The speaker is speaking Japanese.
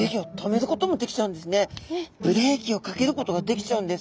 ブレーキをかけることができちゃうんです。